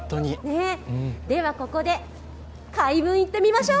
ではここで回文いってみましょう。